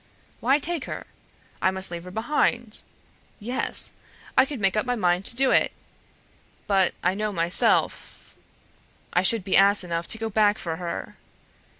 Why take her? I must leave her behind. Yes, I could make up my mind to it; but I know myself I should be ass enough to go back for her.